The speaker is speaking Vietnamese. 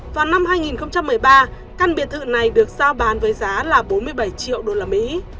vào năm hai nghìn một mươi ba căn biệt thự này được giao bán với giá là bốn mươi bảy triệu usd